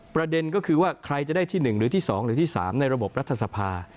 ประเด็นก็คือว่าใครจะได้ที่หนึ่งหรือที่สองหรือที่สามในระบบรัฐศพา